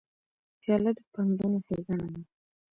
پیاله د پندونو ښیګڼه ده.